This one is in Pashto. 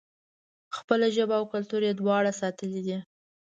خپله ژبه او کلتور یې دواړه ساتلي دي.